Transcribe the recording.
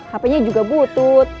hp nya juga butut